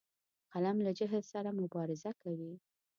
قلم له جهل سره مبارزه کوي